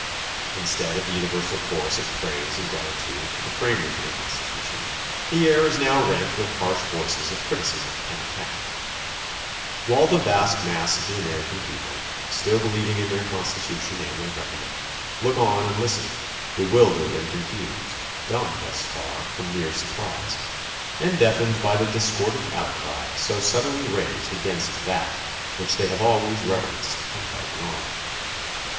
Instead of the universal chorus of praise and gratitude to the framers of the Constitution the air is now rent with harsh voices of criticism and attack; while the vast mass of the American people, still believing in their Constitution and their government, look on and listen, bewildered and confused, dumb thus far from mere surprise, and deafened by the discordant outcry so suddenly raised against that which they have always reverenced and held in honor.